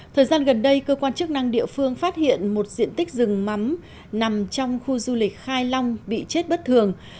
thời gian gần đây cơ quan chức năng địa phương phát hiện một diện tích rừng mắm nằm trong khu du lịch khai long bị chết bất thường